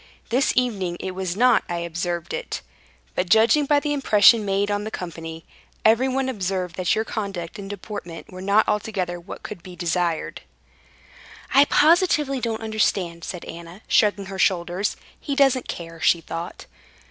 This evening it was not I observed it, but judging by the impression made on the company, everyone observed that your conduct and deportment were not altogether what could be desired." "I positively don't understand," said Anna, shrugging her shoulders—"He doesn't care," she thought.